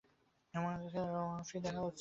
তোমার অফিসে দেখা হচ্ছে, প্রতিনিধি।